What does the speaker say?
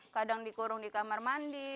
kadang dikurung di kamar mandi